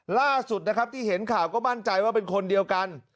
ล่าสุดนะครับที่เห็นข่าวก็มั่นใจว่าเป็นคนเดียวกัน